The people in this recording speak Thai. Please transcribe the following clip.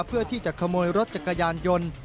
เพื่อที่จะขโมยรถจักรยานยนต์